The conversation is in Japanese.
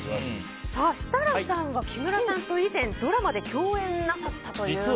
設楽さんは木村さんと以前共演なさったということで。